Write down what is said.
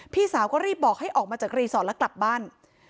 พี่สาวก็รีบบอกให้ออกมาจากรีสอร์ทแล้วกลับบ้าน